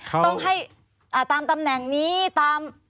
ต้องให้ตามตำแหน่งนี้ตาม